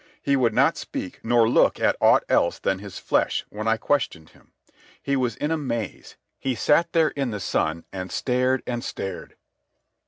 He would not speak, nor look at aught else than his flesh, when I questioned him. He was in a maze. He sat there in the sun and stared and stared."